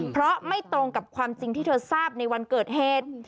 เพราะไม่ตรงกับความจริงที่เธอทราบในวันเกิดเหตุ